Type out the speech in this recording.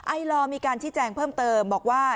ไอลอร์มีการชี้แจงเพิ่มเติมบอกว่า